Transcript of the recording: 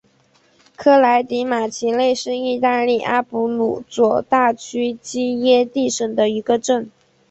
科莱迪马奇内是意大利阿布鲁佐大区基耶蒂省的一个镇。